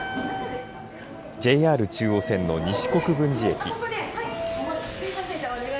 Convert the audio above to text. ＪＲ中央線の西国分寺駅。